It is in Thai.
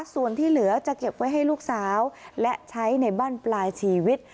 ส่วนที่เหลือจะเก็บไว้ให้ลูกสาวและใช้ในบ้านปลายชีวิต